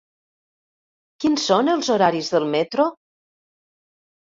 Quins són els horaris del metro?